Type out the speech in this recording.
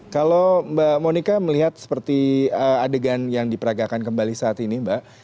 kalau mbak monika melihat seperti adegan yang diperagakan kembali saat ini mbak